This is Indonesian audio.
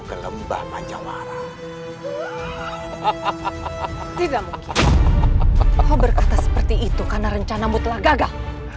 ke lembah majawara hahaha tidak mungkin kau berkata seperti itu karena rencanamu telah gagal